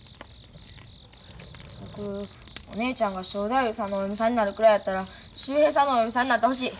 僕お姉ちゃんが正太夫さんのお嫁さんになるくらいやったら秀平さんのお嫁さんになってほしい。